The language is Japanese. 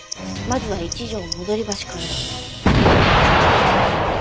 「まずは一条戻橋からだ」